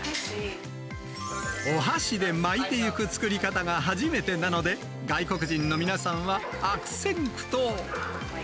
お箸で巻いていく作り方が初めてなので、外国人の皆さんは悪戦苦闘。